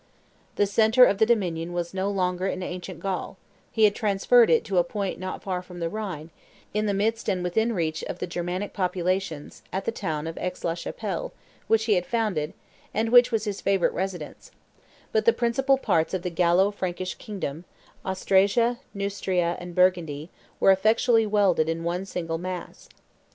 The centre of the dominion was no longer in ancient Gaul; he had transferred it to a point not far from the Rhine, in the midst and within reach of the Germanic populations, at the town of Aix la Chapelle, which he had founded, and which was his favorite residence; but the principal parts of the Gallo Frankish kingdom, Austrasia, Neustria, and Burgundy, were effectually welded in one single mass.